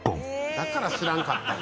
だから知らんかったんや。